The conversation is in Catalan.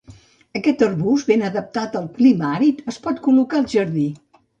Aquest arbust, ben adaptat al clima àrid, es pot col·locar al jardí.